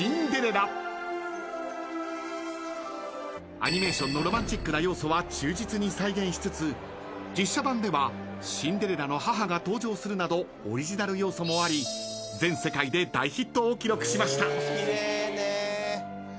［アニメーションのロマンチックな要素は忠実に再現しつつ実写版ではシンデレラの母が登場するなどオリジナル要素もあり全世界で大ヒットを記録しました］